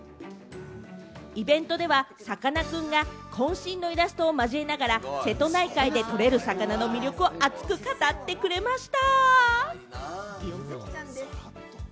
イベントではさかなクンが渾身のイラストを交えながら瀬戸内海でとれる魚の魅力を熱く語ってくれました！